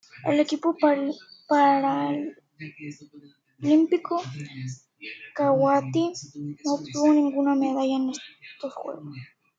El equipo paralímpico kuwaití no obtuvo ninguna medalla en estos Juegos.